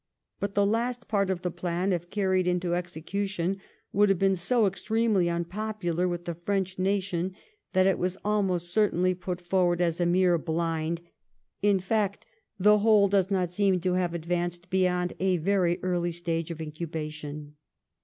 But the last part of the plan, if carried into execution, would have been so extremely unpopular with the French nation, that it was almost certainly put forward as a mere blind ; in fact, the whole does not seem to have advanced beyond a very early stage of incubation.